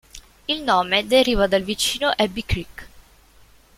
Il nome deriva dal vicino Abbie Creek.